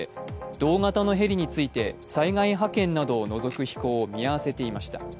同型のヘリについて災害派遣などを除く飛行を見合わせていました。